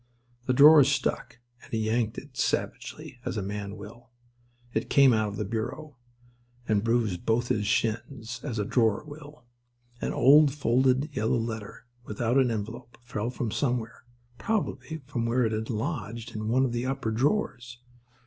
The drawer stuck, and he yanked at it savagely—as a man will. It came out of the bureau, and bruised both his shins—as a drawer will. An old, folded yellow letter without an envelope fell from somewhere—probably from where it had lodged in one of the upper drawers.